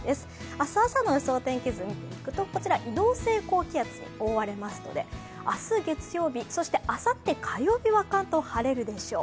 明日朝の予想天気図見ていくとこちら移動性高気圧に覆われますので明日月曜日、あさって火曜日は関東、晴れるでしょう。